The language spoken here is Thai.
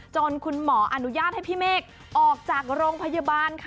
คุณหมออนุญาตให้พี่เมฆออกจากโรงพยาบาลค่ะ